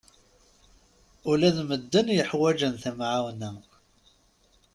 Ula d medden yuḥwaǧen tamɛawna.